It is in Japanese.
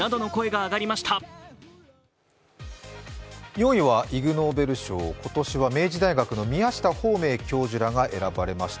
４位はイグ・ノーベル賞、今年は明治大学の宮下芳明教授らが選ばれました。